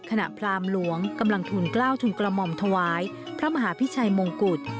พรามหลวงกำลังทุนกล้าวทุนกระหม่อมถวายพระมหาพิชัยมงกุฎ